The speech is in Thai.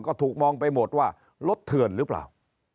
ก็ถูกมองไปหมดว่ารถเถื่อนหรือเปล่า